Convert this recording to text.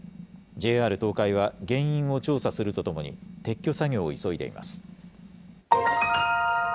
ＪＲ東海は、原因を調査するとともに、撤去作業を急いでいます。